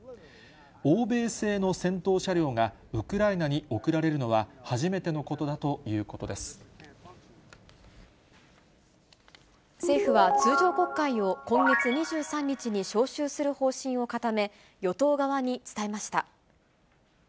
欧米製の戦闘車両がウクライナに送られるのは、初めてのことだと政府は、通常国会を今月２３日に召集する方針を固め、与党側に伝えました。